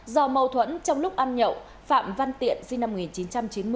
do mâu thuẫn trong lúc ăn nhậu phạm văn tiện sinh năm một nghìn chín trăm chín mươi